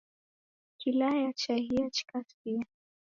Kilaya chahia chikasiya